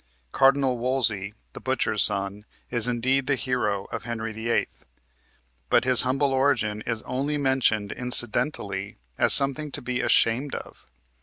Cardinal Wolsey, the butcher's son, is indeed the hero of "Henry VIII.," but his humble origin is only mentioned incidentally as something to be ashamed of.